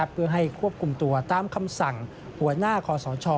เพื่อให้ควบคุมตัวตามคำสั่งหัวหน้าคอสช